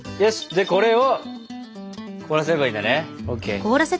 でこれを凍らせればいいんだね。ＯＫ。